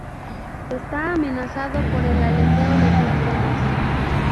Está amenazado por el aleteo de tiburones.